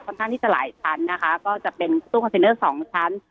ข้างที่จะหลายชั้นนะคะก็จะเป็นตู้คอนเทนเนอร์สองชั้น